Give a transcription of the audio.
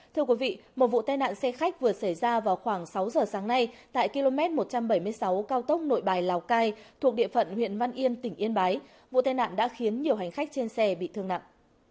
thưa quý vị một vụ tai nạn xe khách vừa xảy ra vào khoảng sáu giờ sáng nay tại km một trăm bảy mươi sáu cao tốc nội bài lào cai thuộc địa phận huyện văn yên tỉnh yên bái vụ tai nạn đã khiến nhiều hành khách trên xe bị thương nặng